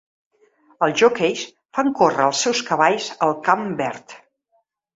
Els joqueis fan córrer els seus cavalls al camp verd.